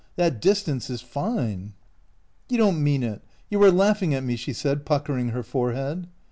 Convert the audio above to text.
That dis tance is fine." "You don't mean it! You are laughing at me," she said, puckering her forehead.